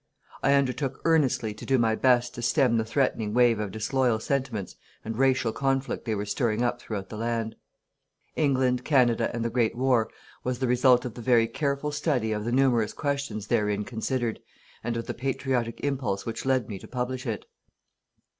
I undertook earnestly to do my best to stem the threatening wave of disloyal sentiments and racial conflict they were stirring up throughout the land. "England, Canada and the Great War" was the result of the very careful study of the numerous questions therein considered and of the patriotic impulse which led me to publish it.